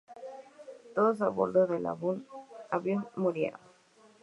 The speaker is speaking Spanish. Todos a bordo del avión murieron.